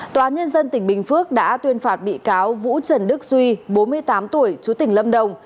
tòa nhân dân tỉnh bình phước đã tuyên phạt bị cáo vũ trần đức duy bốn mươi tám tuổi chú tỉnh lâm đồng